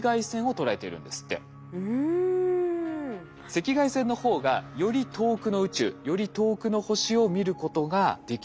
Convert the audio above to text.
赤外線の方がより遠くの宇宙より遠くの星を見ることができるそうなんです。